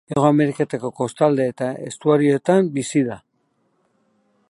Hego Amerikako kostalde eta estuarioetan bizi da.